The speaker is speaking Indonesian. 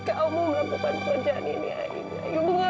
salah ngertiin aida bu